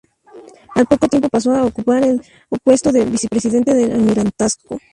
Al poco tiempo, pasó a a ocupar el puesto de vicepresidente del Almirantazgo.